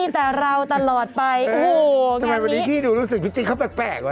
ทำไมวันนี้พี่ดูรู้สึกพี่ติ๊กเขาแปลกวะ